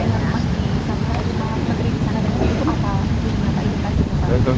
ini campur ya nggak tahu